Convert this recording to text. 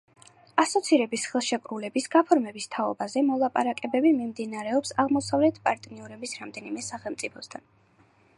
ასოცირების ხელშეკრულების გაფორმების თაობაზე მოლაპარაკებები მიმდინარეობს აღმოსავლეთ პარტნიორობის რამდენიმე სახელმწიფოსთან.